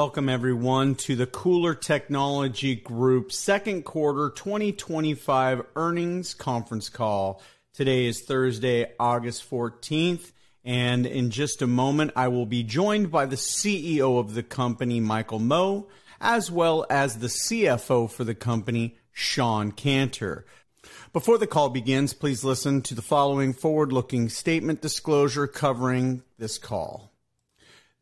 Welcome everyone to the KULR Technology Group's Second Quarter 2025 Earnings Conference Call. Today is Thursday, August 14th, and in just a moment, I will be joined by the CEO of the company, Michael Mo, as well as the CFO for the company, Shawn Canter. Before the call begins, please listen to the following forward-looking statement disclosure covering this call.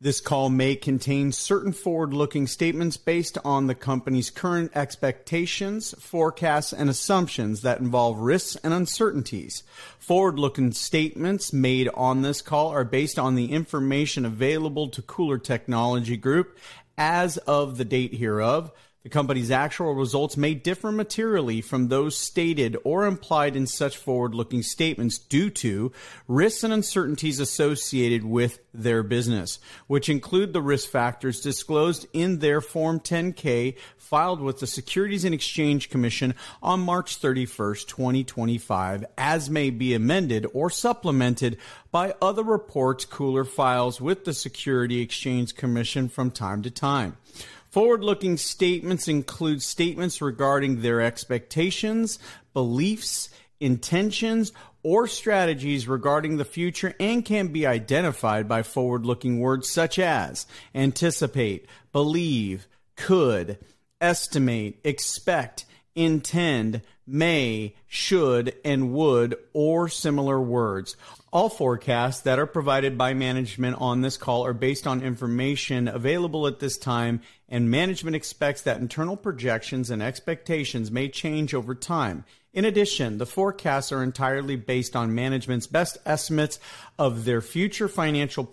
This call may contain certain forward-looking statements based on the company's current expectations, forecasts, and assumptions that involve risks and uncertainties. Forward-looking statements made on this call are based on the information available to KULR Technology Group as of the date hereof. The company's actual results may differ materially from those stated or implied in such forward-looking statements due to risks and uncertainties associated with their business, which include the risk factors disclosed in their Form 10-K filed with the Securities and Exchange Commission on March 31st, 2025, as may be amended or supplemented by other reports KULR files with the Securities and Exchange Commission from time to time. Forward-looking statements include statements regarding their expectations, beliefs, intentions, or strategies regarding the future and can be identified by forward-looking words such as anticipate, believe, could, estimate, expect, intend, may, should, and would, or similar words. All forecasts that are provided by management on this call are based on information available at this time, and management expects that internal projections and expectations may change over time. In addition, the forecasts are entirely based on management's best estimates of their future financial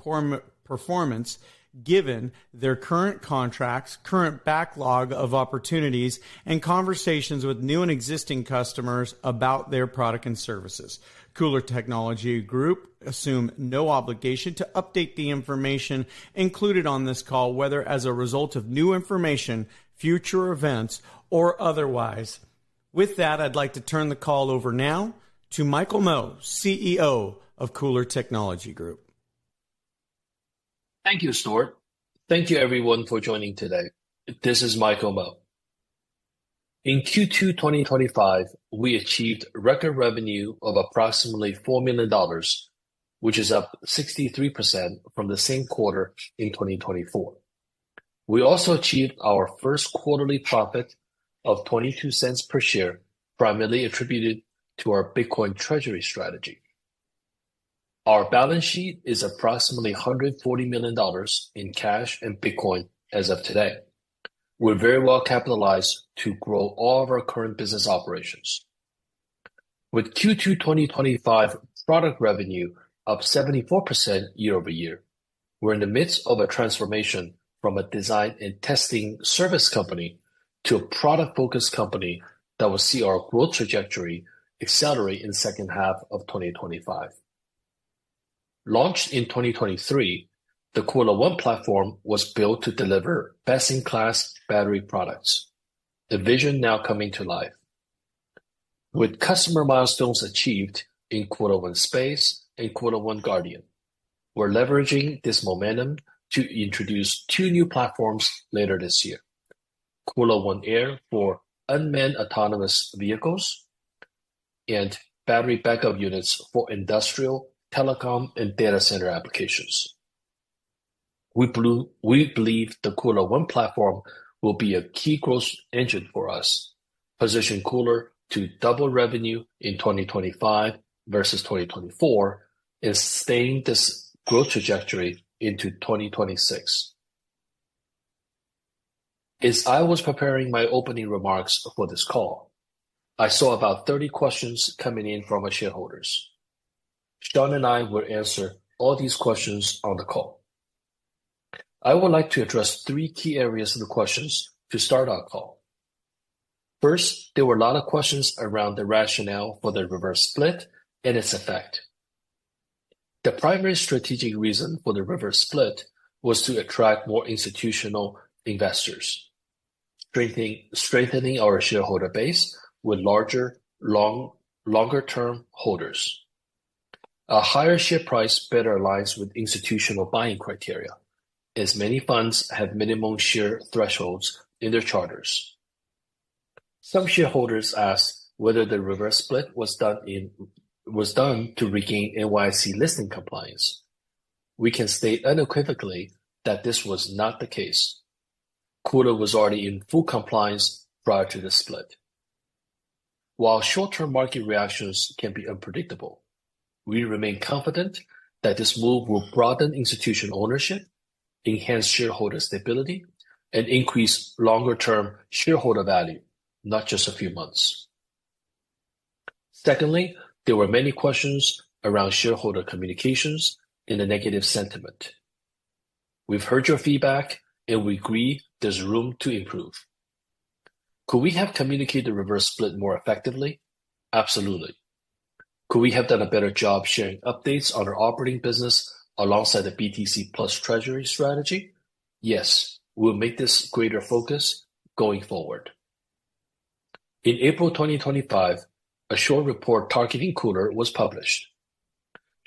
performance given their current contracts, current backlog of opportunities, and conversations with new and existing customers about their product and services. KULR Technology Group assumes no obligation to update the information included on this call, whether as a result of new information, future events, or otherwise. With that, I'd like to turn the call over now to Michael Mo, CEO of KULR Technology Group. Thank you, Stuart. Thank you, everyone, for joining today. This is Michael Mo. In Q2 2025, we achieved record revenue of approximately $4 million, which is up 63% from the same quarter in 2024. We also achieved our first quarterly profit of $0.22 per share, primarily attributed to our Bitcoin Treasury strategy. Our balance sheet is approximately $140 million in cash and Bitcoin as of today. We're very well capitalized to grow all of our current business operations. With Q2 2025 product revenue of 74% year-over-year, we're in the midst of a transformation from a design and testing service company to a product-focused company that will see our growth trajectory accelerate in the second half of 2025. Launched in 2023, the KULR ONE platform was built to deliver best-in-class battery products, a vision now coming to life. With customer milestones achieved in KULR ONE Space and KULR ONE Guardian, we're leveraging this momentum to introduce two new platforms later this year: KULR ONE Air for unmanned autonomous vehicles and battery backup units for industrial, telecom, and data center applications. We believe the KULR ONE platform will be a key growth engine for us, positioning KULR to double revenue in 2025 versus 2024 and staying this growth trajectory into 2026. As I was preparing my opening remarks for this call, I saw about 30 questions coming in from our shareholders. Shawn and I will answer all these questions on the call. I would like to address three key areas of the questions to start our call. First, there were a lot of questions around the rationale for the reverse split and its effect. The primary strategic reason for the reverse split was to attract more institutional investors, strengthening our shareholder base with larger, longer-term holders. A higher share price better aligns with institutional buying criteria, as many funds have minimum share thresholds in their charters. Some shareholders asked whether the reverse split was done to regain NYSE listing compliance. We can state unequivocally that this was not the case. KULR was already in full compliance prior to the split. While short-term market reactions can be unpredictable, we remain confident that this move will broaden institutional ownership, enhance shareholder stability, and increase longer-term shareholder value, not just a few months. Secondly, there were many questions around shareholder communications and the negative sentiment. We've heard your feedback, and we agree there's room to improve. Could we have communicated the reverse split more effectively? Absolutely. Could we have done a better job sharing updates on our operating business alongside the BTC Plus Treasury strategy? Yes, we'll make this a greater focus going forward. In April 2025, a short report targeting KULR was published.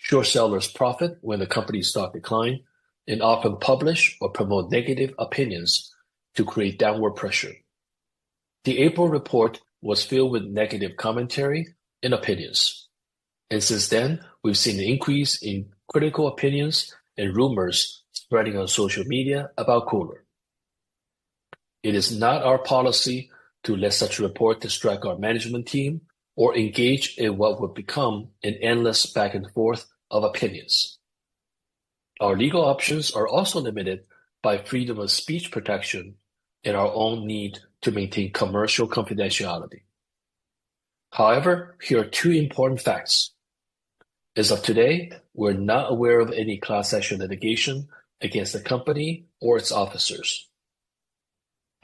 Short sellers profit when the company starts to decline and often publish or promote negative opinions to create downward pressure. The April report was filled with negative commentary and opinions, and since then, we've seen an increase in critical opinions and rumors spreading on social media about KULR. It is not our policy to let such reports strike our management team or engage in what would become an endless back-and-forth of opinions. Our legal options are also limited by freedom of speech protection and our own need to maintain commercial confidentiality. However, here are two important facts. As of today, we're not aware of any class action litigation against the company or its officers.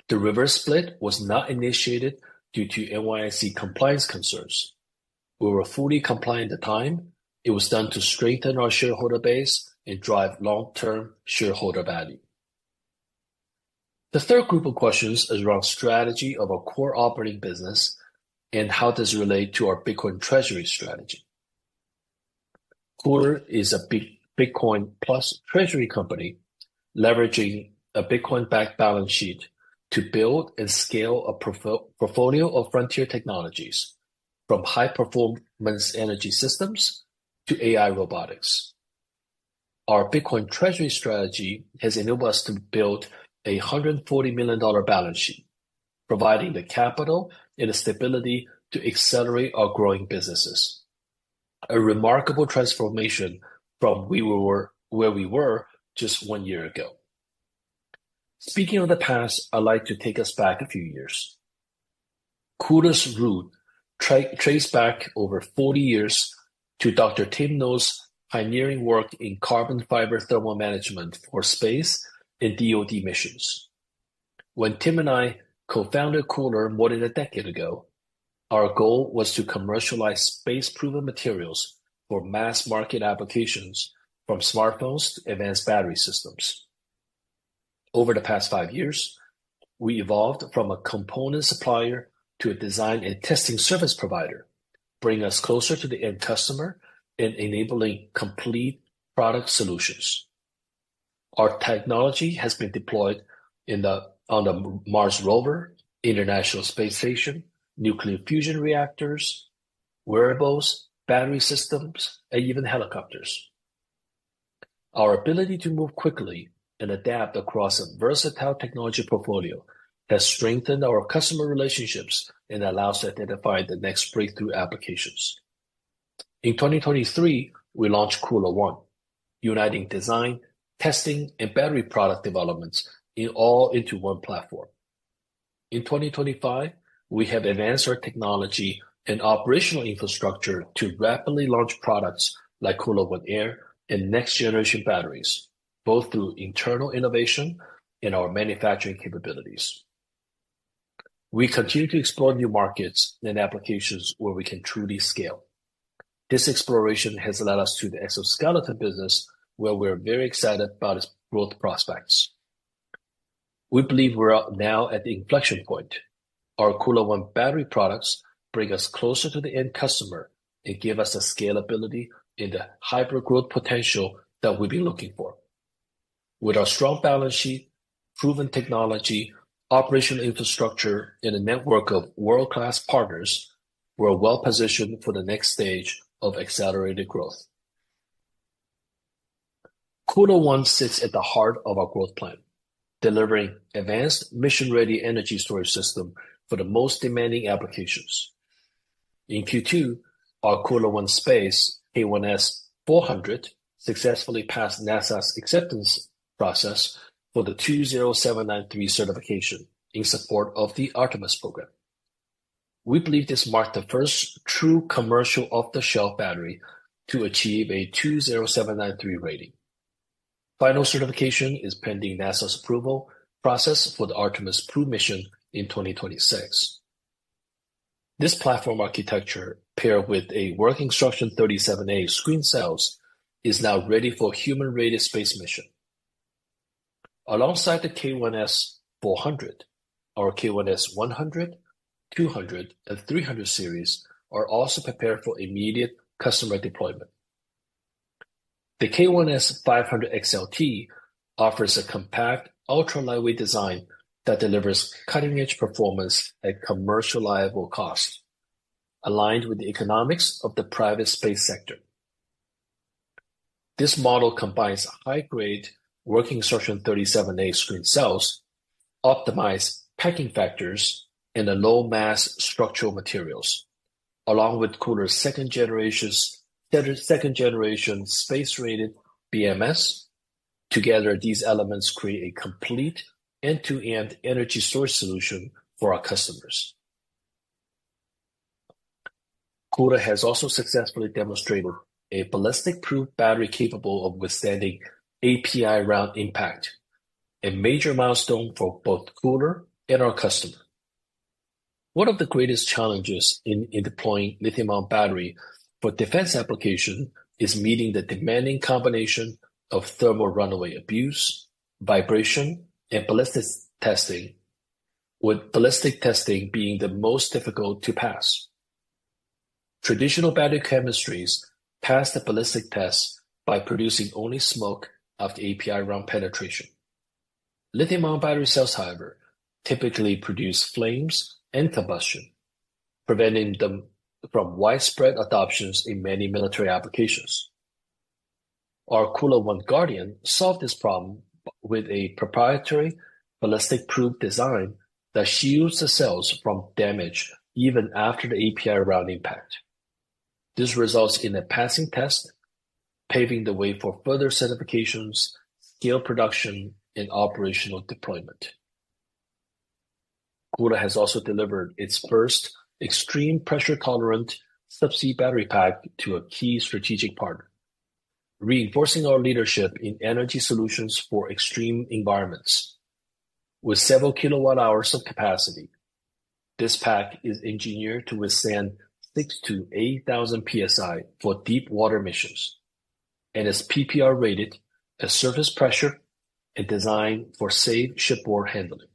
The reverse split was not initiated due to NYSE compliance concerns. We were fully compliant at the time. It was done to strengthen our shareholder base and drive long-term shareholder value. The third group of questions is around the strategy of our core operating business and how this relates to our Bitcoin Treasury strategy. KULR is a Bitcoin Plus Treasury company leveraging a Bitcoin-backed balance sheet to build and scale a portfolio of frontier technologies, from high-performance energy systems to AI robotics. Our Bitcoin Treasury strategy has enabled us to build a $140 million balance sheet, providing the capital and the stability to accelerate our growing businesses. A remarkable transformation from where we were just one year ago. Speaking of the past, I'd like to take us back a few years. KULR's route traces back over 40 years to Dr. Tim No's pioneering work in carbon fiber thermal management for space and DOD missions. When Tim and I co-founded KULR more than a decade ago, our goal was to commercialize space-proven materials for mass-market applications from smartphones to advanced battery systems. Over the past five years, we evolved from a component supplier to a design and testing service provider, bringing us closer to the end customer and enabling complete product solutions. Our technology has been deployed on the Mars Rover, International Space Station, nuclear fusion reactors, wearables, battery systems, and even helicopters. Our ability to move quickly and adapt across a versatile technology portfolio has strengthened our customer relationships and allows us to identify the next breakthrough applications. In 2023, we launched KULR ONE, uniting design, testing, and battery product development all into one platform. In 2025, we have advanced our technology and operational infrastructure to rapidly launch products like KULR ONE Air and next-generation batteries, both through internal innovation and our manufacturing capabilities. We continue to explore new markets and applications where we can truly scale. This exploration has led us to the exoskeleton business, where we're very excited about its growth prospects. We believe we're now at the inflection point. Our KULR ONE battery products bring us closer to the end customer and give us the scalability and the hyper-growth potential that we've been looking for. With our strong balance sheet, proven technology, operational infrastructure, and a network of world-class partners, we're well-positioned for the next stage of accelerated growth. KULR ONE sits at the heart of our growth plan, delivering an advanced, mission-ready energy storage system for the most demanding applications. In Q2, our KULR ONE Space A1S 400 successfully passed NASA's acceptance process for the 20793 certification in support of the Artemis program. We believe this marked the first true commercial off-the-shelf battery to achieve a 20793 rating. Final certification is pending NASA's approval process for the Artemis II mission in 2026. This platform architecture, paired with a working instruction 37A screen cell, is now ready for a human-rated space mission. Alongside the K1S 400, our K1S 100, K1S 200, and K1S 300 series are also prepared for immediate customer deployment. The K1S 500 XLT offers a compact, ultra-lightweight design that delivers cutting-edge performance at commercializable costs, aligned with the economics of the private space sector. This model combines high-grade working instruction 37A screen cells, optimized packing factors, and low-mass structural materials, along with KULR's second-generation space-rated BMS. Together, these elements create a complete end-to-end energy source solution for our customers. KULR has also successfully demonstrated a ballistic-proof battery capable of withstanding API-round impact, a major milestone for both KULR and our customer. One of the greatest challenges in deploying a lithium-ion battery for defense applications is meeting the demanding combination of thermal runaway abuse, vibration, and ballistic testing, with ballistic testing being the most difficult to pass. Traditional battery chemistries pass the ballistic test by producing only smoke after API-round penetration. Lithium-ion battery cells, however, typically produce flames and combustion, preventing them from widespread adoption in many military applications. Our KULR ONE Guardian solved this problem with a proprietary ballistic-proof design that shields the cells from damage even after the API-round impact. This results in a passing test, paving the way for further certifications, scale production, and operational deployment. KULR has also delivered its first extreme pressure-tolerant subsea battery pack to a key strategic partner, reinforcing our leadership in energy solutions for extreme environments. With several kilowatt-hours of capacity, this pack is engineered to withstand 6,000 PSI-8,000 PSI for deep water missions and is PPR rated at surface pressure and designed for safe shipboard handling.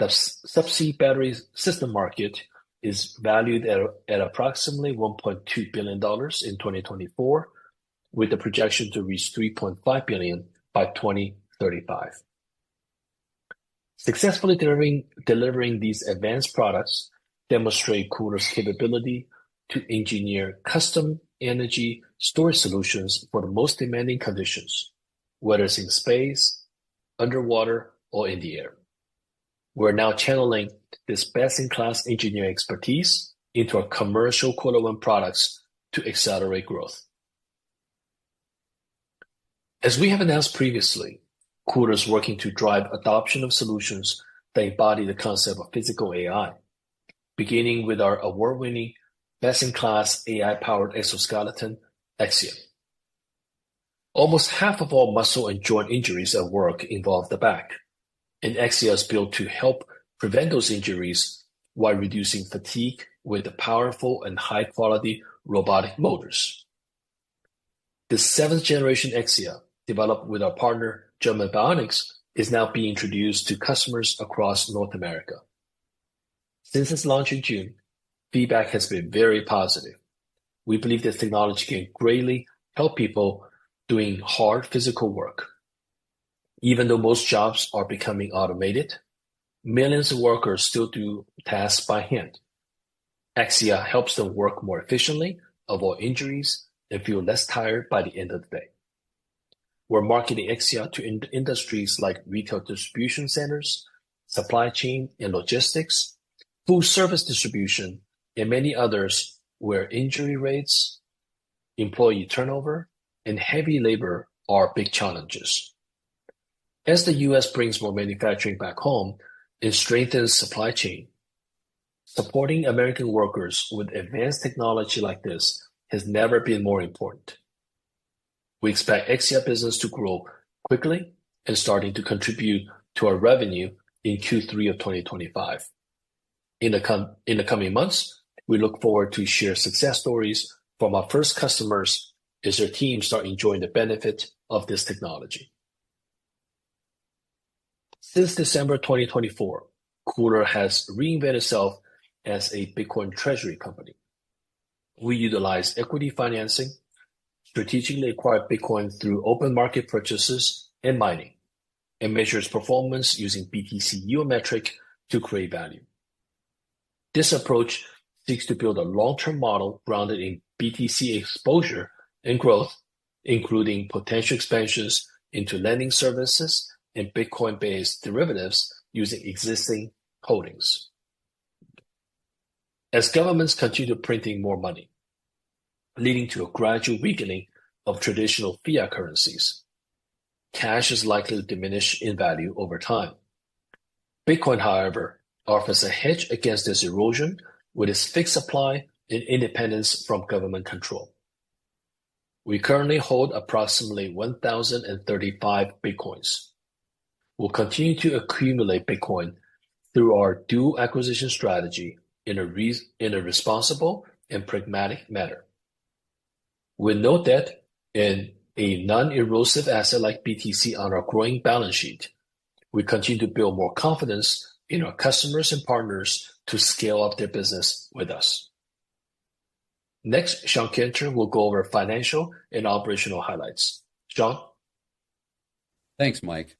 The subsea battery system market is valued at approximately $1.2 billion in 2024, with the projection to reach $3.5 billion by 2035. Successfully delivering these advanced products demonstrates KULR's capability to engineer custom energy storage solutions for the most demanding conditions, whether it's in space, underwater, or in the air. We're now channeling this best-in-class engineering expertise into our commercial KULR ONE products to accelerate growth. As we have announced previously, KULR Technology Group is working to drive adoption of solutions that embody the concept of physical AI, beginning with our award-winning, best-in-class AI-powered exoskeleton, Exia. Almost half of all muscle and joint injuries at work involve the back, and Exia is built to help prevent those injuries while reducing fatigue with the powerful and high-quality robotic motors. The seventh-generation Exia, developed with our partner German Bionics, is now being introduced to customers across North America. Since its launch in June, feedback has been very positive. We believe this technology can greatly help people doing hard physical work. Even though most jobs are becoming automated, millions of workers still do tasks by hand. Exia helps them work more efficiently, avoid injuries, and feel less tired by the end of the day. We're marketing Exia to industries like retail distribution centers, supply chain and logistics, food service distribution, and many others where injury rates, employee turnover, and heavy labor are big challenges. As the U.S. brings more manufacturing back home and strengthens the supply chain, supporting American workers with advanced technology like this has never been more important. We expect Exia business to grow quickly and start to contribute to our revenue in Q3 of 2025. In the coming months, we look forward to sharing success stories from our first customers as their teams start enjoying the benefits of this technology. Since December 2024, KULR Technology Group has reinvented itself as a Bitcoin Treasury company. We utilize equity financing, strategically acquired Bitcoin through open market purchases and mining, and measure its performance using BTC yield metrics to create value. This approach seeks to build a long-term model grounded in BTC exposure and growth, including potential expansions into lending services and Bitcoin-based derivatives using existing holdings. As governments continue to print more money, leading to a gradual weakening of traditional fiat currencies, cash is likely to diminish in value over time. Bitcoin, however, offers a hedge against this erosion with its fixed supply and independence from government control. We currently hold approximately XBT 1,035. We'll continue to accumulate Bitcoin through our dual acquisition strategy in a responsible and pragmatic manner. With no debt and a non-erosive asset like BTC on our growing balance sheet, we continue to build more confidence in our customers and partners to scale up their business with us. Next, Shawn Canter will go over financial and operational highlights. Shawn. Thanks, Mike.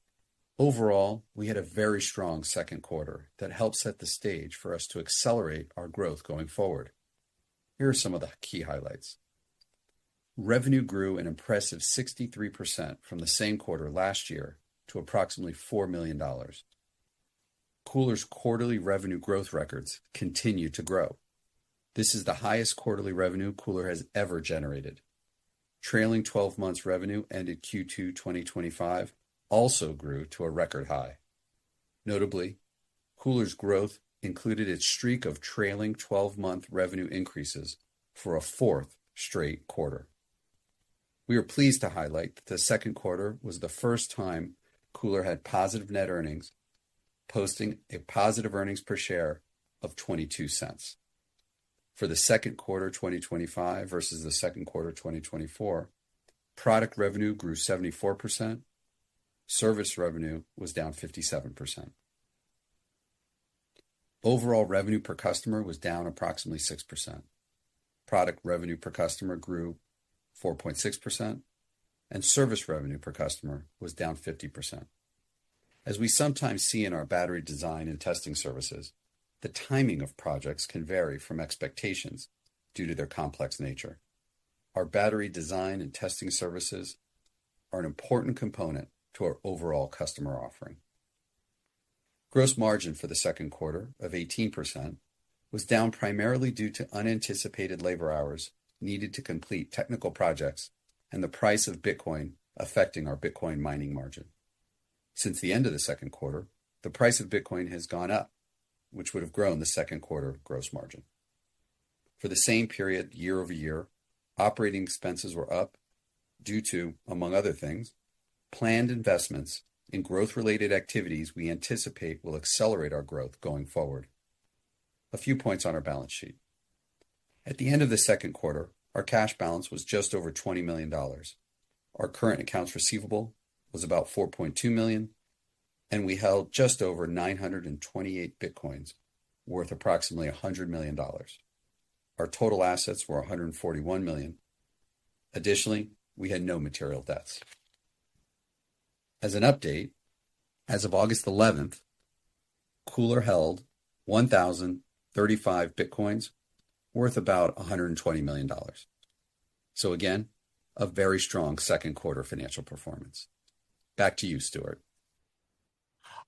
Overall, we had a very strong second quarter that helped set the stage for us to accelerate our growth going forward. Here are some of the key highlights. Revenue grew an impressive 63% from the same quarter last year to approximately $4 million. KULR's quarterly revenue growth records continue to grow. This is the highest quarterly revenue KULR has ever generated. Trailing 12 months revenue ended Q2 2025 also grew to a record high. Notably, KULR's growth included a streak of trailing 12-month revenue increases for a fourth straight quarter. We are pleased to highlight that the second quarter was the first time KULR had positive net earnings, posting a positive earnings per share of $0.22. For the second quarter 2025 versus the second quarter 2024, product revenue grew 74%, service revenue was down 57%. Overall revenue per customer was down approximately 6%. Product revenue per customer grew 4.6%, and service revenue per customer was down 50%. As we sometimes see in our battery design and testing services, the timing of projects can vary from expectations due to their complex nature. Our battery design and testing services are an important component to our overall customer offering. Gross margin for the second quarter of 18% was down primarily due to unanticipated labor hours needed to complete technical projects and the price of Bitcoin affecting our Bitcoin mining margin. Since the end of the second quarter, the price of Bitcoin has gone up, which would have grown the second quarter gross margin. For the same period, year over year, operating expenses were up due to, among other things, planned investments in growth-related activities we anticipate will accelerate our growth going forward. A few points on our balance sheet. At the end of the second quarter, our cash balance was just over $20 million. Our current accounts receivable was about $4.2 million, and we held just over 928 Bitcoins, worth approximately $100 million. Our total assets were $141 million. Additionally, we had no material debts. As an update, as of August 11th, KULR held 1,035 Bitcoins, worth about $120 million. A very strong second-quarter financial performance. Back to you, Stuart.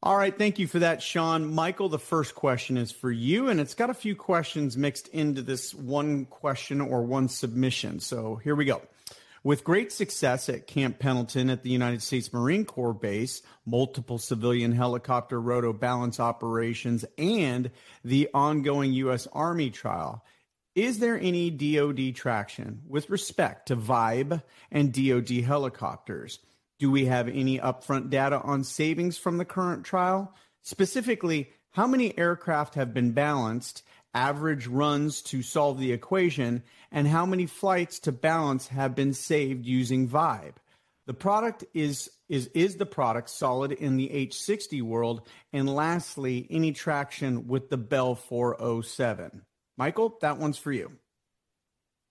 All right, thank you for that, Shawn. Michael, the first question is for you, and it's got a few questions mixed into this one question or one submission. Here we go. With great success at Camp Pendleton at the United States Marine Corps base, multiple civilian helicopter roto balance operations, and the ongoing U.S. Army trial, is there any DOD traction with respect to VIBE and DOD helicopters? Do we have any upfront data on savings from the current trial? Specifically, how many aircraft have been balanced, average runs to solve the equation, and how many flights to balance have been saved using VIBE? Is the product solid in the H60 world? Lastly, any traction with the Bell 407? Michael, that one's for you.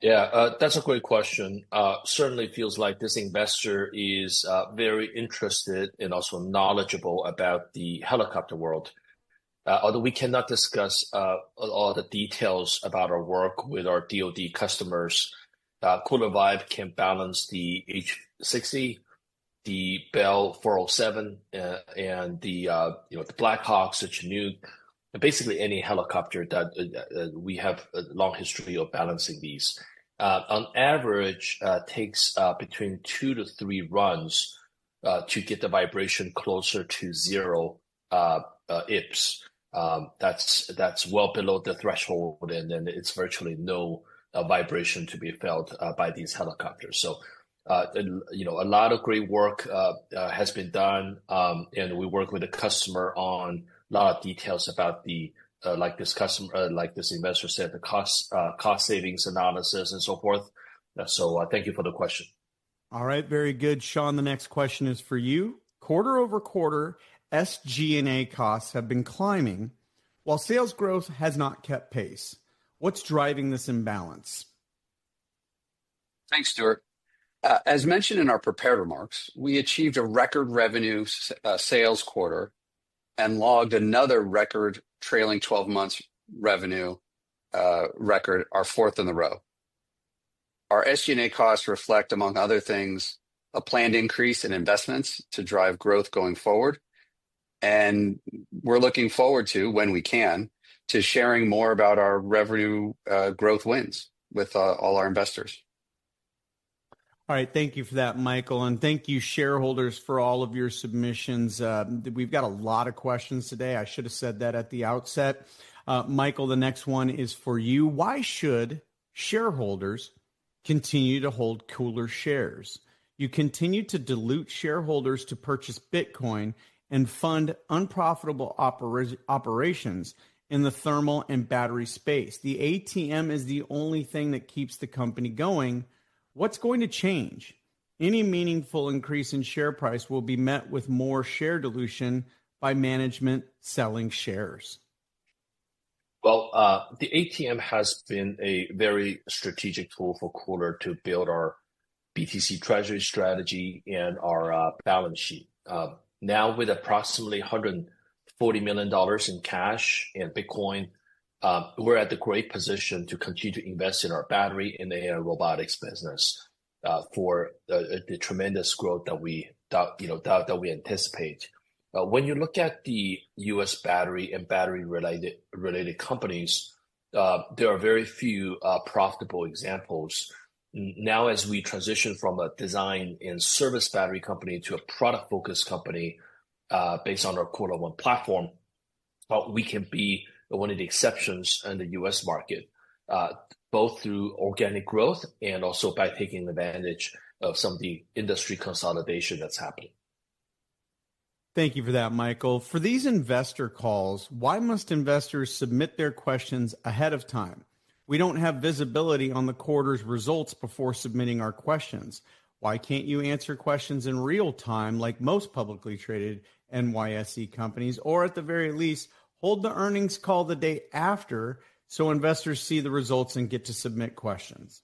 Yeah, that's a great question. Certainly, it feels like this investor is very interested and also knowledgeable about the helicopter world. Although we cannot discuss all the details about our work with our DOD customers, KULR VIBE can balance the H60, the Bell 407, the Blackhawks, the Chinook, and basically any helicopter. We have a long history of balancing these. On average, it takes between two to three runs to get the vibration closer to zero IPS. That's well below the threshold, and then it's virtually no vibration to be felt by these helicopters. A lot of great work has been done, and we work with the customer on a lot of details about the, like this customer, like this investor said, the cost savings analysis and so forth. Thank you for the question. All right, very good. Shawn, the next question is for you. Quarter-over-quarter, SG&A costs have been climbing, while sales growth has not kept pace. What's driving this imbalance? Thanks, Stuart. As mentioned in our prepared remarks, we achieved a record revenue sales quarter and logged another record trailing 12 months revenue record, our fourth in a row. Our SG&A costs reflect, among other things, a planned increase in investments to drive growth going forward. We're looking forward to, when we can, sharing more about our revenue growth wins with all our investors. All right, thank you for that, Michael. Thank you, shareholders, for all of your submissions. We've got a lot of questions today. I should have said that at the outset. Michael, the next one is for you. Why should shareholders continue to hold KULR shares? You continue to dilute shareholders to purchase Bitcoin and fund unprofitable operations in the thermal and battery space. The ATM is the only thing that keeps the company going. What's going to change? Any meaningful increase in share price will be met with more share dilution by management selling shares. The ATM has been a very strategic tool for KULR build our BTC Treasury strategy and our balance sheet. Now, with approximately $140 million in cash and Bitcoin, we're at a great position to continue to invest in our battery and AI robotics business for the tremendous growth that we anticipate. When you look at the U.S. battery and battery-related companies, there are very few profitable examples. Now, as we transition from a design and service battery company to a product-focused company based on our KULR ONE platform, we can be one of the exceptions in the U.S. market, both through organic growth and also by taking advantage of some of the industry consolidation that's happening. Thank you for that, Michael. For these investor calls, why must investors submit their questions ahead of time? We don't have visibility on the quarter's results before submitting our questions. Why can't you answer questions in real time, like most publicly traded NYSE companies, or at the very least, hold the earnings call the day after so investors see the results and get to submit questions?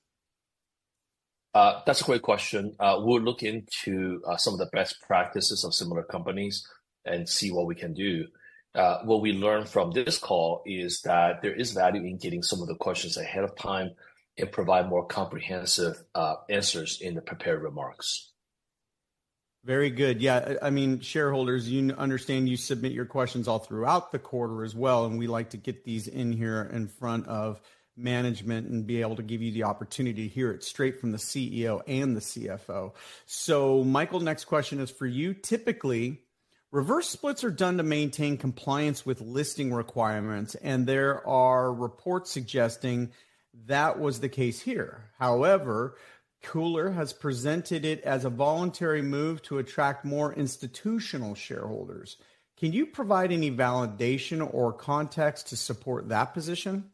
That's a great question. We'll look into some of the best practices of similar companies and see what we can do. What we learned from this call is that there is value in getting some of the questions ahead of time to provide more comprehensive answers in the prepared remarks. Very good. Shareholders, you understand you submit your questions all throughout the quarter as well, and we like to get these in here in front of management and be able to give you the opportunity to hear it straight from the CEO and the CFO. Michael, the next question is for you. Typically, reverse splits are done to maintain compliance with listing requirements, and there are reports suggesting that was the case here. However, KULR has presented it as a voluntary move to attract more institutional shareholders. Can you provide any validation or context to support that position?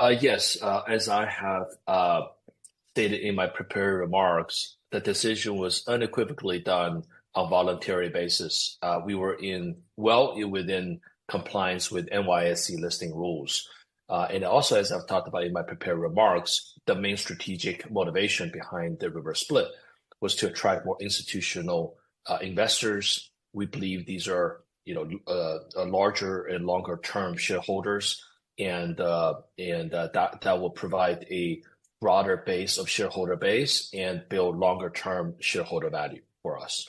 Yes, as I have stated in my prepared remarks, the decision was unequivocally done on a voluntary basis. We were well within compliance with NYSE listing rules. As I've talked about in my prepared remarks, the main strategic motivation behind the reverse split was to attract more institutional investors. We believe these are larger and longer-term shareholders, and that will provide a broader base of shareholder base and build longer-term shareholder value for us.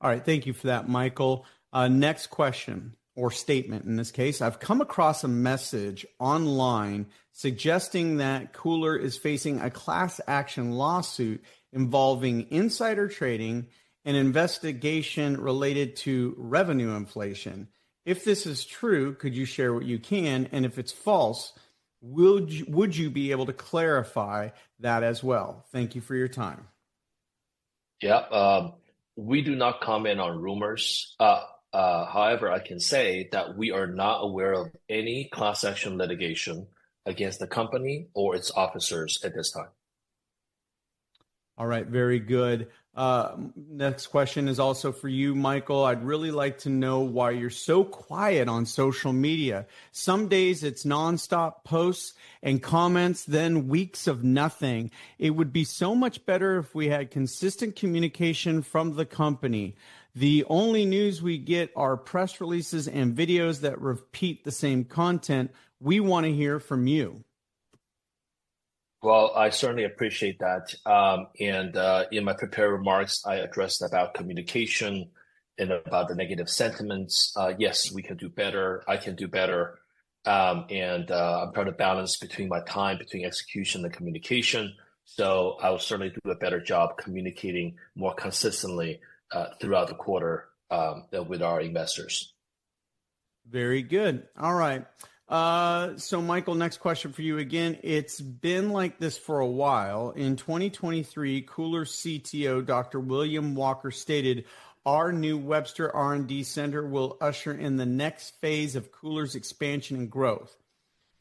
All right, thank you for that, Michael. Next question, or statement in this case. I've come across a message online suggesting that KULR is facing a class action litigation involving insider trading and investigation related to revenue inflation. If this is true, could you share what you can, and if it's false, would you be able to clarify that as well? Thank you for your time. We do not comment on rumors. However, I can say that we are not aware of any class action litigation against the company or its officers at this time. All right, very good. Next question is also for you, Michael. I'd really like to know why you're so quiet on social media. Some days it's nonstop posts and comments, then weeks of nothing. It would be so much better if we had consistent communication from the company. The only news we get are press releases and videos that repeat the same content. We want to hear from you. I certainly appreciate that. In my prepared remarks, I addressed communication and the negative sentiments. Yes, we can do better. I can do better. I'm trying to balance my time between execution and communication. I will certainly do a better job communicating more consistently throughout the quarter with our investors. Very good. All right. Michael, next question for you. Again, it's been like this for a while. In 2023, KULR CTO, Dr. William Walker, stated our new Webster R&D center will usher in the next phase of KULR's expansion and growth.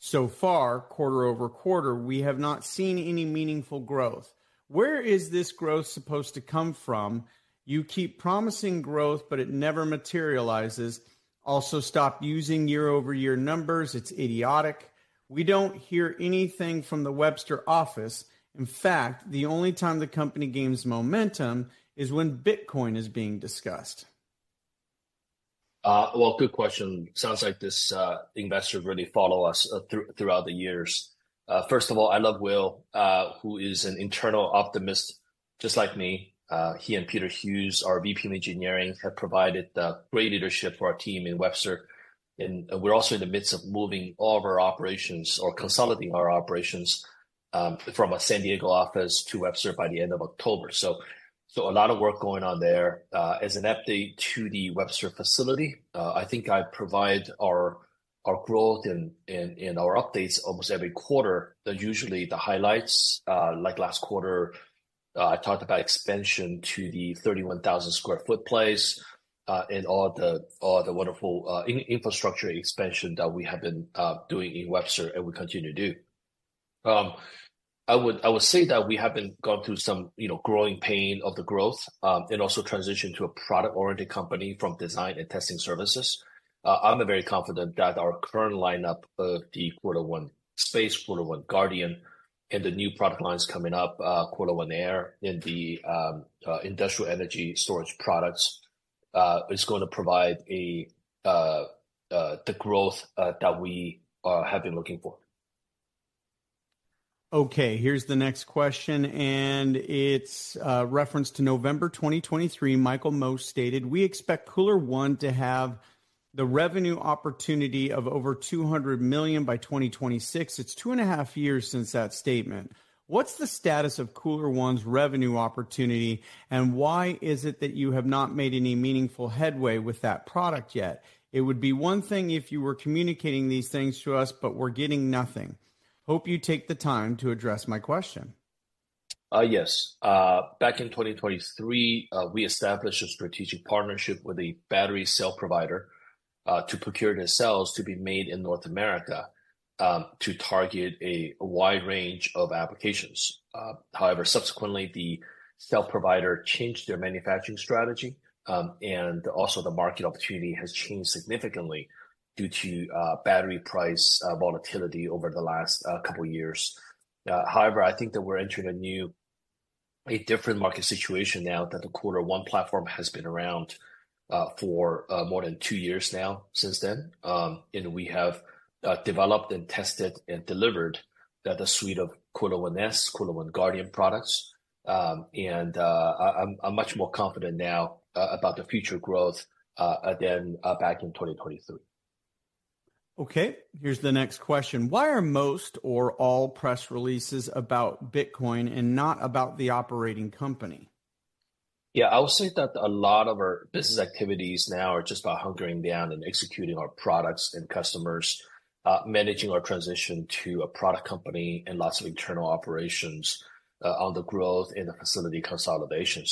So far, quarter over quarter, we have not seen any meaningful growth. Where is this growth supposed to come from? You keep promising growth, but it never materializes. Also, stop using year-over-year numbers. It's idiotic. We don't hear anything from the Webster office. In fact, the only time the company gains momentum is when Bitcoin is being discussed. Good question. Sounds like this investor really followed us throughout the years. First of all, I love Will, who is an internal optimist, just like me. He and Peter Hughes, our VP of Engineering, have provided great leadership for our team in Webster. We are also in the midst of moving all of our operations or consolidating our operations from our San Diego office to Webster by the end of October. A lot of work is going on there. As an update to the Webster facility, I think I provide our growth and our updates almost every quarter. They're usually the highlights, like last quarter, I talked about expansion to the 31,000 square foot place and all the wonderful infrastructure expansion that we have been doing in Webster, and we continue to do. I would say that we have been going through some growing pain of the growth and also transitioned to a product-oriented company from design and testing services. I'm very confident that our current lineup of the KULR ONE Space, KULR ONE Guardian, and the new product lines coming up, KULR ONE Air, and the industrial energy storage products, is going to provide the growth that we have been looking for. Okay, here's the next question, and it's a reference to November 2023. Michael Mo stated we expect KULR ONE to have the revenue opportunity of over $200 million by 2026. It's two and a half years since that statement. What's the status of KULR ONE's revenue opportunity, and why is it that you have not made any meaningful headway with that product yet? It would be one thing if you were communicating these things to us, but we're getting nothing. Hope you take the time to address my question. Yes. Back in 2023, we established a strategic partnership with a battery cell provider to procure the cells to be made in North America to target a wide range of applications. However, subsequently, the cell provider changed their manufacturing strategy, and also the market opportunity has changed significantly due to battery price volatility over the last couple of years. I think that we're entering a new, a different market situation now that the KULR ONE platform has been around for more than two years now since then. We have developed and tested and delivered the suite of KULR ONE S, KULR ONE Guardian products. I'm much more confident now about the future growth than back in 2023. Okay, here's the next question. Why are most or all press releases about Bitcoin and not about the operating company? I would say that a lot of our business activities now are just about hunkering down and executing our products and customers, managing our transition to a product company, and lots of internal operations on the growth and the facility consolidation.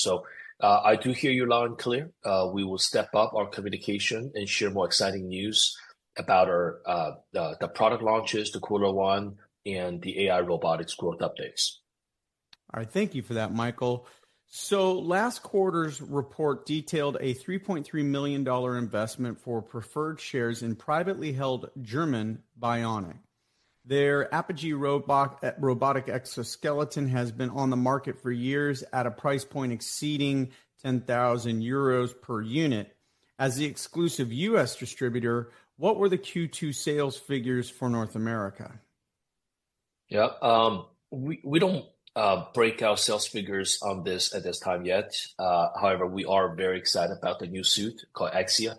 I do hear you loud and clear. We will step up our communication and share more exciting news about the product launches, the KULR ONE, and the AI robotics growth updates. All right, thank you for that, Michael. Last quarter's report detailed a $3.3 million investment for preferred shares in privately held German Bionic. Their Apogee robotic exoskeleton has been on the market for years at a price point exceeding 10,000 euros per unit. As the exclusive U.S. distributor, what were the Q2 sales figures for North America? Yeah, we don't break our sales figures on this at this time yet. However, we are very excited about the new suit called Exia,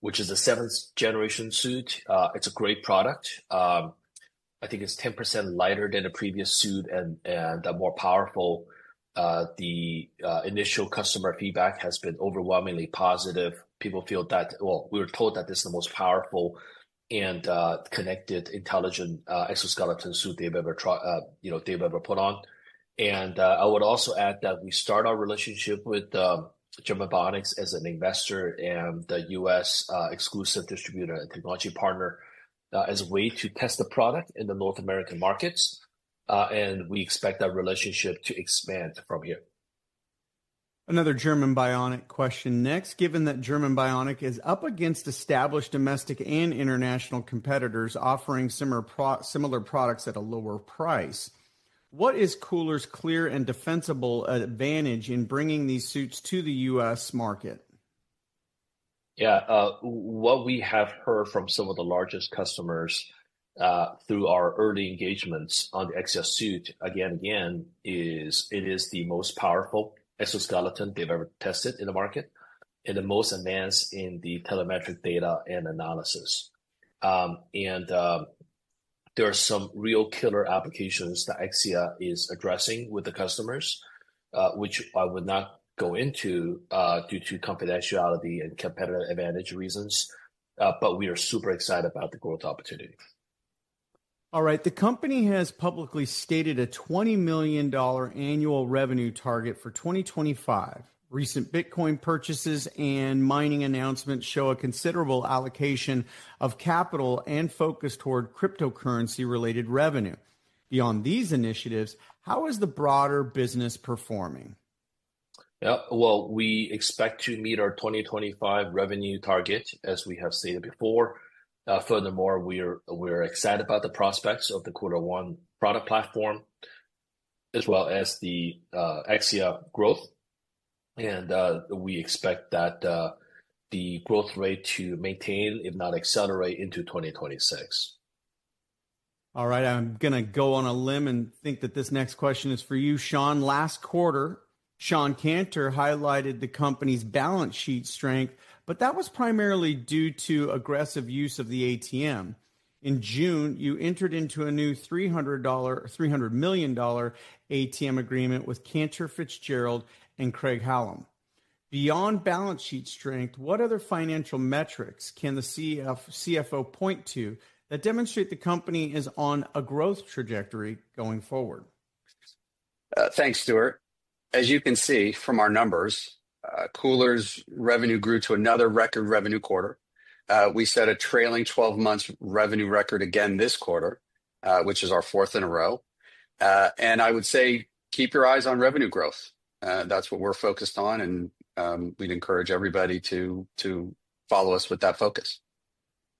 which is the seventh-generation suit. It's a great product. I think it's 10% lighter than the previous suit and more powerful. The initial customer feedback has been overwhelmingly positive. People feel that we were told that this is the most powerful and connected intelligent exoskeleton suit they've ever put on. I would also add that we started our relationship with German Bionic as an investor and the U.S. exclusive distributor and technology partner as a way to test the product in the North America markets. We expect that relationship to expand from here. Another German Bionic question next. Given that German Bionic is up against established domestic and international competitors offering similar products at a lower price, what is KULR's clear and defensible advantage in bringing these suits to the U.S. market? What we have heard from some of the largest customers through our early engagements on the Exia suit again and again is it is the most powerful exoskeleton they've ever tested in the market and the most advanced in the telemetric data and analysis. There are some real killer applications that Exia is addressing with the customers, which I would not go into due to confidentiality and competitive advantage reasons. We are super excited about the growth opportunity. All right, the company has publicly stated a $20 million annual revenue target for 2025. Recent Bitcoin purchases and mining announcements show a considerable allocation of capital and focus toward cryptocurrency-related revenue. Beyond these initiatives, how is the broader business performing? Yeah, we expect to meet our 2025 revenue target, as we have stated before. Furthermore, we are excited about the prospects of the KULR ONE product platform, as well as the Exia growth. We expect that the growth rate to maintain, if not accelerate, into 2026. All right, I'm going to go on a limb and think that this next question is for you, Shawn. Last quarter, Shawn Canter highlighted the company's balance sheet strength, but that was primarily due to aggressive use of the ATM. In June, you entered into a new $300 million ATM agreement with Cantor Fitzgerald and Craig Hallum. Beyond balance sheet strength, what other financial metrics can the CFO point to that demonstrate the company is on a growth trajectory going forward? Thanks, Stuart. As you can see from our numbers, KULR Technology Group's revenue grew to another record revenue quarter. We set a trailing 12-month revenue record again this quarter, which is our fourth in a row. I would say keep your eyes on revenue growth. That's what we're focused on, and we'd encourage everybody to follow us with that focus.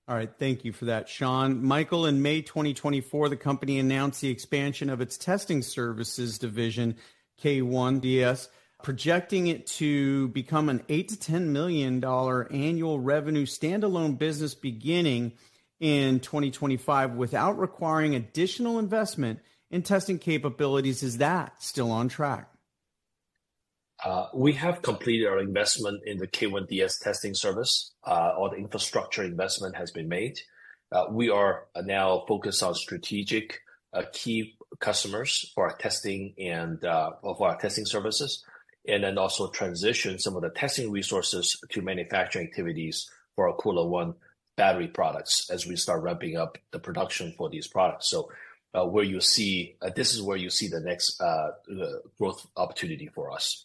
All right, thank you for that, Shawn. Michael, in May 2024, the company announced the expansion of its testing services division, K1DS, projecting it to become an $8 million-$10 million annual revenue standalone business beginning in 2025 without requiring additional investment in testing capabilities. Is that still on track? We have completed our investment in the K1DS testing service. All the infrastructure investment has been made. We are now focused on strategic key customers for our testing and for our testing services, and also transition some of the testing resources to manufacturing activities for our KULR ONE battery products as we start ramping up the production for these products. This is where you see the next growth opportunity for us.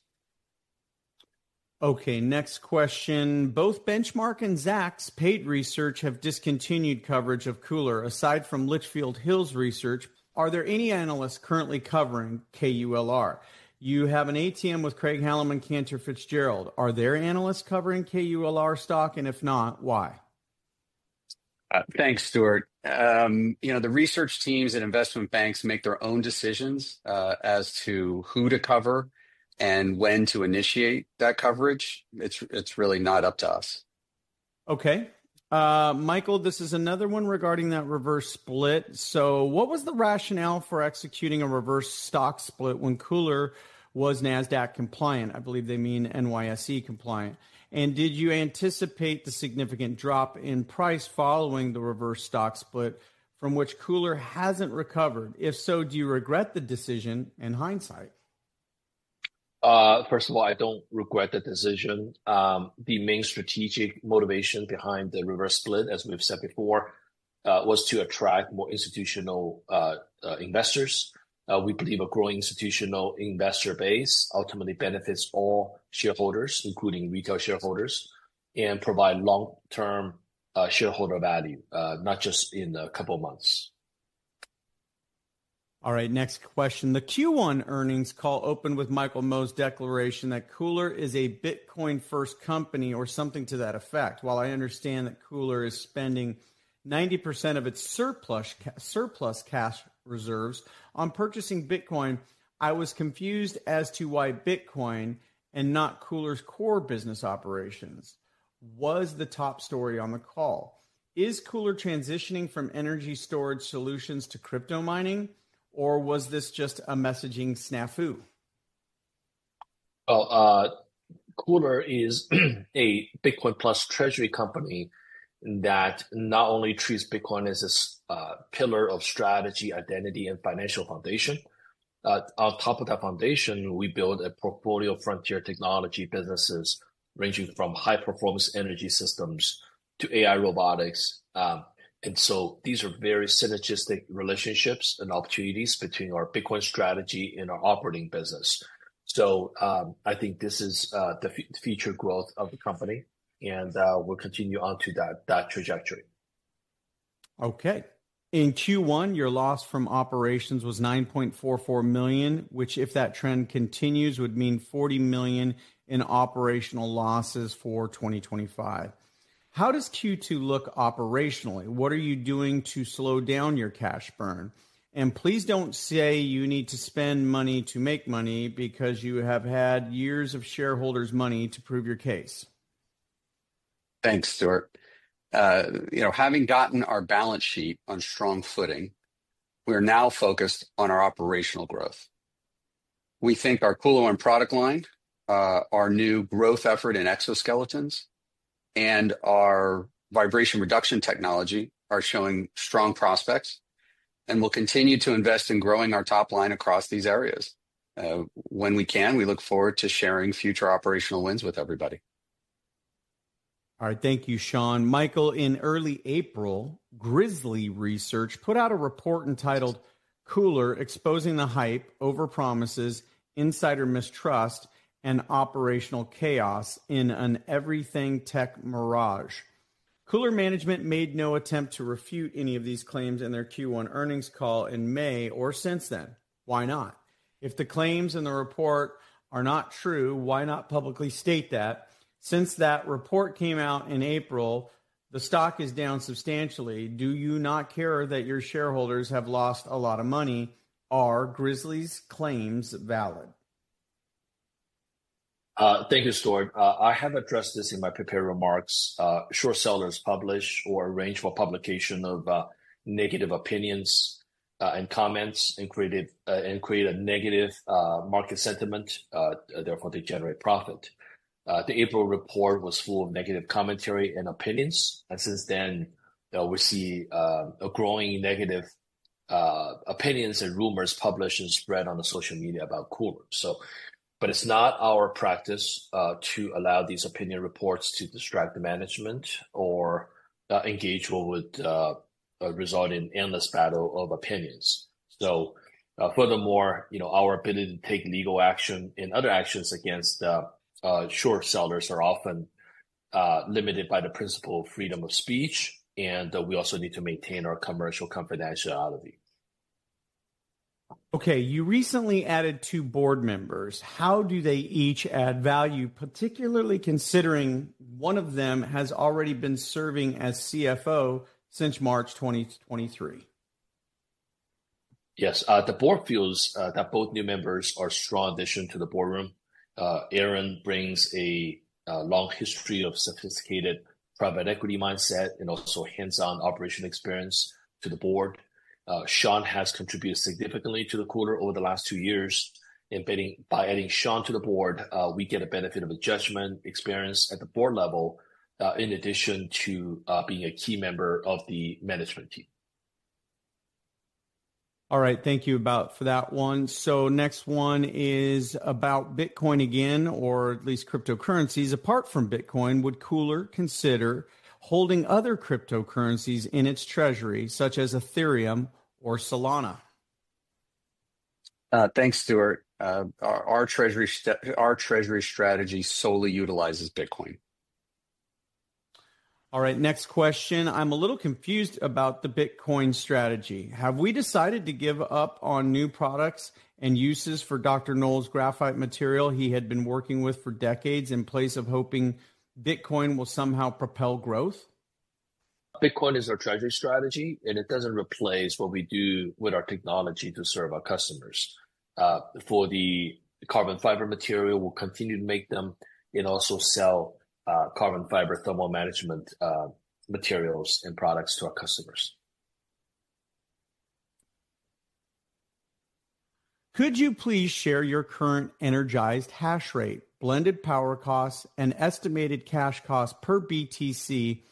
Okay, next question. Both Benchmark and Zacks' paid research have discontinued coverage of KULR, aside from Litchfield Hills Research. Are there any analysts currently covering KULR? You have an ATM with Craig Hallum and Cantor Fitzgerald. Are their analysts covering KULR stock, and if not, why? Thanks, Stuart. You know, the research teams and investment banks make their own decisions as to who to cover and when to initiate that coverage. It's really not up to us. Okay. Michael, this is another one regarding that reverse stock split. What was the rationale for executing a reverse stock split when KULR was Nasdaq compliant? I believe they mean NYSE compliant. Did you anticipate the significant drop in price following the reverse stock split, from which KULR hasn't recovered? If so, do you regret the decision in hindsight? First of all, I don't regret the decision. The main strategic motivation behind the reverse stock split, as we've said before, was to attract more institutional investors. We believe a growing institutional investor base ultimately benefits all shareholders, including retail shareholders, and provides long-term shareholder value, not just in a couple of months. All right, next question. The Q1 earnings call opened with Michael Mo's declaration that KULR is a Bitcoin-first company or something to that effect. While I understand that KULR is spending 90% of its surplus cash reserves on purchasing Bitcoin, I was confused as to why Bitcoin and not KULR's core business operations was the top story on the call. Is KULR transitioning from energy storage solutions to crypto mining, or was this just a messaging snafu? KULR is a Bitcoin Plus Treasury company that not only treats Bitcoin as a pillar of strategy, identity, and financial foundation, but on top of that foundation, we build a portfolio of frontier technology businesses ranging from high-performance energy systems to AI robotics. These are very synergistic relationships and opportunities between our Bitcoin strategy and our operating business. I think this is the future growth of the company, and we'll continue on to that trajectory. Okay. In Q1, your loss from operations was $9.44 million, which, if that trend continues, would mean $40 million in operational losses for 2025. How does Q2 look operationally? What are you doing to slow down your cash burn? Please don't say you need to spend money to make money because you have had years of shareholders' money to prove your case. Thanks, Stuart. Having gotten our balance sheet on strong footing, we are now focused on our operational growth. We think our KULR ONE product line, our new growth effort in exoskeletons, and our vibration reduction technology are showing strong prospects, and we'll continue to invest in growing our top line across these areas. When we can, we look forward to sharing future operational wins with everybody. All right, thank you, Shawn. Michael, in early April, Grizzly Research put out a report entitled "KULR: Exposing the Hype, Overpromises, Insider Mistrust, and Operational Chaos in an Everything Tech Mirage." KULR Technology Group management made no attempt to refute any of these claims in their Q1 earnings call in May or since then. Why not? If the claims in the report are not true, why not publicly state that? Since that report came out in April, the stock is down substantially. Do you not care that your shareholders have lost a lot of money? Are Grizzly's claims valid? Thank you, Stuart. I have addressed this in my prepared remarks. Sure, sellers publish or arrange for publication of negative opinions and comments and create a negative market sentiment. Therefore, they generate profit. The April report was full of negative commentary and opinions, and since then, we see growing negative opinions and rumors publishers read on the social media about KULR. It's not our practice to allow these opinion reports to distract management or engage with a resulting endless battle of opinions. Furthermore, our ability to take legal action and other actions against short sellers are often limited by the principle of freedom of speech, and we also need to maintain our commercial confidentiality. Okay, you recently added two board members. How do they each add value, particularly considering one of them has already been serving as CFO since March 2023? Yes, the board feels that both new members are a strong addition to the boardroom. Aaron brings a long history of sophisticated private equity mindset and also hands-on operational experience to the board. Shawn has contributed significantly to the quarter over the last two years. By adding Shawn to the board, we get a benefit of adjustment experience at the board level, in addition to being a key member of the management team. All right, thank you for that one. Next one is about Bitcoin again, or at least cryptocurrencies. Apart from Bitcoin, would KULR consider holding other cryptocurrencies in its treasury, such as Ethereum or Solana? Thanks, Stuart. Our treasury strategy solely utilizes Bitcoin. All right, next question. I'm a little confused about the Bitcoin Treasury strategy. Have we decided to give up on new products and uses for Dr. Noel's graphite material he had been working with for decades in place of hoping Bitcoin will somehow propel growth? Bitcoin is our treasury strategy, and it doesn't replace what we do with our technology to serve our customers. For the carbon fiber material, we'll continue to make them and also sell carbon fiber thermal management materials and products to our customers. Could you please share your current energized hash rate, blended power costs, and estimated cash costs per BTC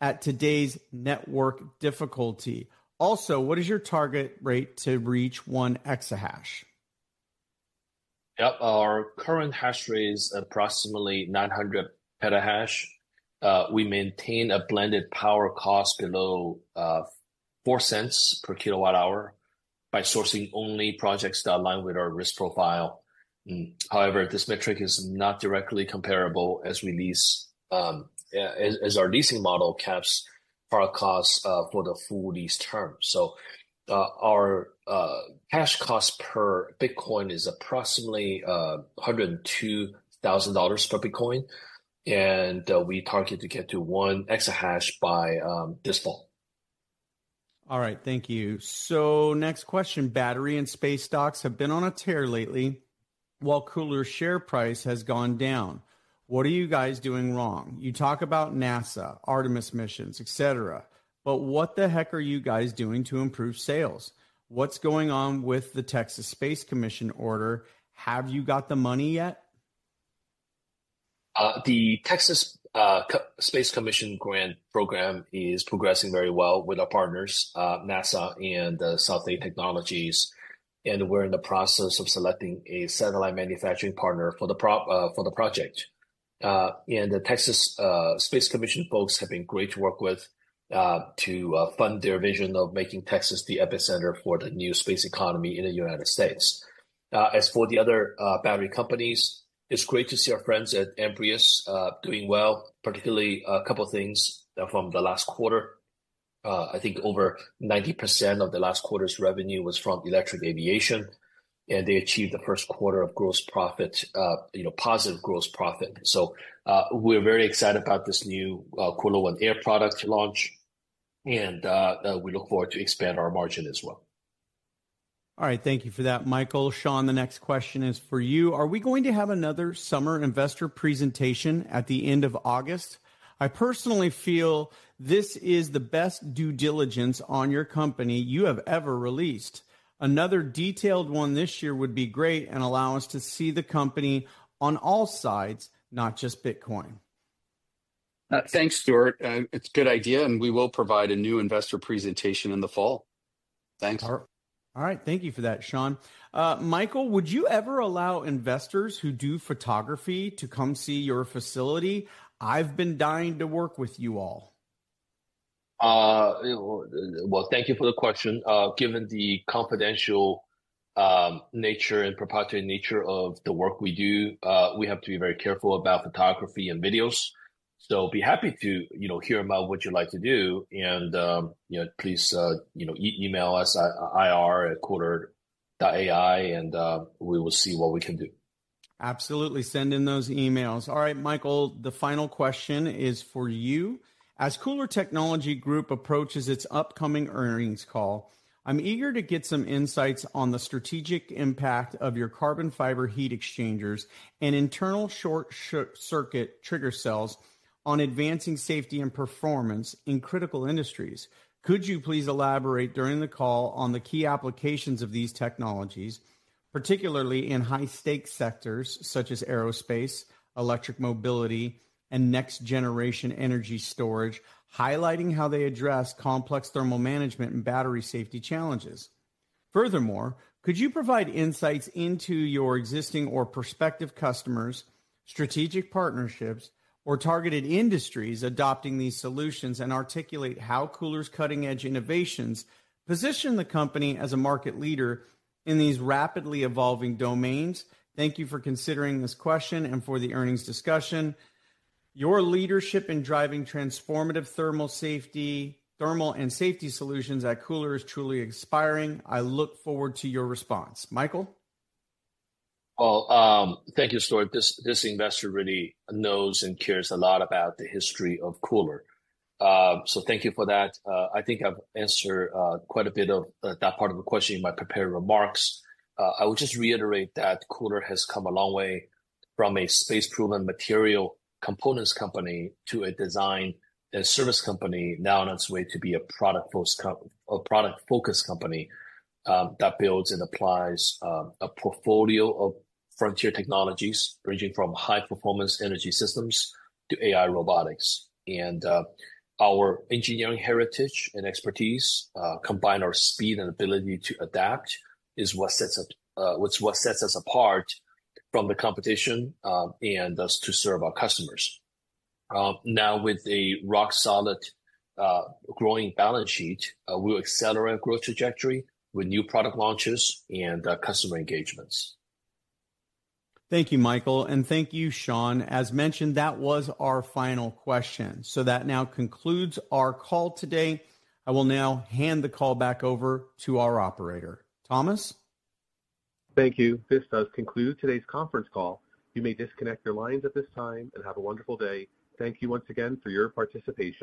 at today's network difficulty? Also, what is your target rate to reach one exahash? Our current hash rate is approximately 900 PH/s. We maintain a blended power cost below $0.04 per kW hour by sourcing only projects that align with our risk profile. However, this metric is not directly comparable as our leasing model caps product costs for the full lease term. Our cash cost per Bitcoin is approximately $102,000 per Bitcoin, and we target to get to one exahash by this fall. All right, thank you. Next question. Battery and space stocks have been on a tear lately, while KULR's share price has gone down. What are you guys doing wrong? You talk about NASA, Artemis missions, et cetera, but what the heck are you guys doing to improve sales? What's going on with the Texas Space Commission order? Have you got the money yet? The Texas Space Commission grant program is progressing very well with our partners, NASA and South Lake Technologies, and we're in the process of selecting a satellite manufacturing partner for the project. The Texas Space Commission folks have been great to work with to fund their vision of making Texas the epicenter for the new space economy in the United States. As for the other battery companies, it's great to see our friends at Amprius doing well, particularly a couple of things from the last quarter. I think over 90% of the last quarter's revenue was from electric aviation, and they achieved the first quarter of gross profit, you know, positive gross profit. We're very excited about this new KULR ONE Air product launch, and we look forward to expanding our margin as well. All right, thank you for that, Michael. Shawn, the next question is for you. Are we going to have another summer investor presentation at the end of August? I personally feel this is the best due diligence on your company you have ever released. Another detailed one this year would be great and allow us to see the company on all sides, not just Bitcoin. Thanks, Stuart. It's a good idea, and we will provide a new investor presentation in the fall. Thanks. All right, thank you for that, Shawn. Michael, would you ever allow investors who do photography to come see your facility? I've been dying to work with you all. Thank you for the question. Given the confidential and proprietary nature of the work we do, we have to be very careful about photography and videos. I'd be happy to hear about what you'd like to do, and please email us at ir@kulr.ai, and we will see what we can do. Absolutely, send in those emails. All right, Michael, the final question is for you. As KULR Technology Group approaches its upcoming earnings call, I'm eager to get some insights on the strategic impact of your carbon fiber heat exchangers and internal short circuit trigger cells on advancing safety and performance in critical industries. Could you please elaborate during the call on the key applications of these technologies, particularly in high-stake sectors such as aerospace, electric mobility, and next-generation energy storage, highlighting how they address complex thermal management and battery safety challenges? Furthermore, could you provide insights into your existing or prospective customers, strategic partnerships, or targeted industries adopting these solutions, and articulate how KULR's cutting-edge innovations position the company as a market leader in these rapidly evolving domains? Thank you for considering this question and for the earnings discussion. Your leadership in driving transformative thermal safety solutions at KULR is truly inspiring. I look forward to your response. Michael. Thank you, Stuart. This investor really knows and cares a lot about the history of KULR. Thank you for that. I think I've answered quite a bit of that part of the question in my prepared remarks. I would just reiterate that KULR has come a long way from a space-proven material components company to a design and service company now on its way to be a product-focused company that builds and applies a portfolio of frontier technologies ranging from high-performance energy systems to AI robotics. Our engineering heritage and expertise combine our speed and ability to adapt, which is what sets us apart from the competition and serves our customers. Now, with a rock-solid growing balance sheet, we'll accelerate our growth trajectory with new product launches and customer engagements. Thank you, Michael, and thank you, Shawn. As mentioned, that was our final question. That now concludes our call today. I will now hand the call back over to our operator. Thomas? Thank you. This does conclude today's conference call. You may disconnect your lines at this time and have a wonderful day. Thank you once again for your participation.